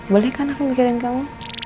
boleh kan aku mikirin kamu